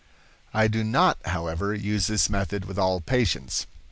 "I do not, however, use this method with all patients.